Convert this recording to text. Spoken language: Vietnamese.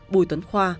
bùi tuấn khoa